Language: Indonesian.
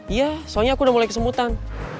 iya soalnya aku udah mulai kesemutan